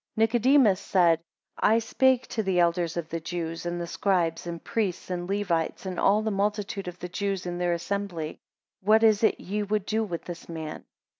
3 Nicodemus said, I spake to the elders of the Jews, and the scribes, and priests and Levites, and all the multitude of the Jews, in their assembly; What is it ye would do with this man?